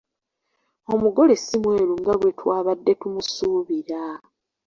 Omugole si mweru nga bwe twabadde tumusuubira.